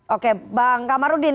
oke bang kamarudin